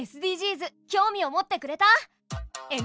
ＳＤＧｓ興味を持ってくれた？